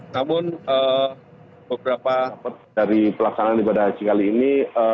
namun beberapa dari pelaksanaan ibadah haji kali ini